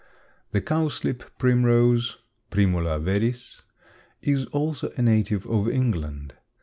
The cowslip primrose (Primula veris) is also a native of England.